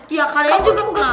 ya kalian ketemu gak